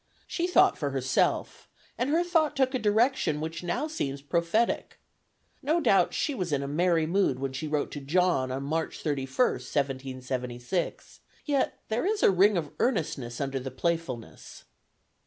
She thought for herself, and her thought took a direction which now seems prophetic. No doubt she was in merry mood when she wrote to John on March 31st, 1776, yet there is a ring of earnestness under the playfulness.